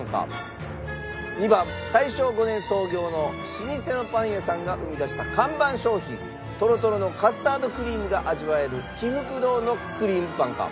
２番大正５年創業の老舗のパン屋さんが生み出した看板商品トロトロのカスタードクリームが味わえる喜福堂のクリームパンか？